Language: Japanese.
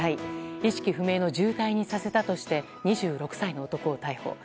意識不明の重体にさせたとして２６歳の男を逮捕。